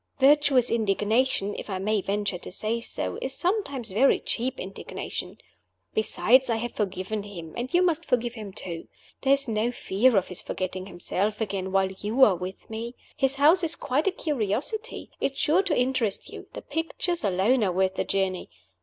Virtuous indignation (if I may venture to say so) is sometimes very cheap indignation. Besides, I have forgiven him and you must forgive him too. There is no fear of his forgetting himself again, while you are with me. His house is quite a curiosity it is sure to interest you; the pictures alone are worth the journey.